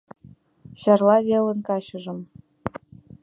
Чарла велын качыжым